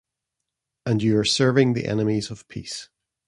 And you are serving the enemies of peace.